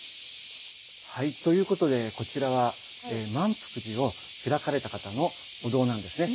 はいということでこちらは萬福寺を開かれた方のお堂なんですね。